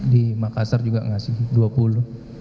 di makassar juga ngasih rp dua puluh